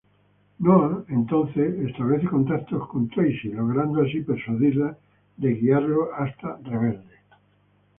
Noah entonces establece contacto con Tracy, logrando así persuadirla de guiarlo hasta Rebelde.